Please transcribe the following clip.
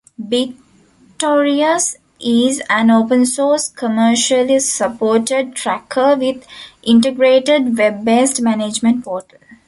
BitTorious is an open source, commercially supported tracker with integrated web-based management portal.